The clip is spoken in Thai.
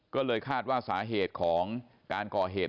ก็เลยคาดว่าสาเหตุของการก่อเหตุ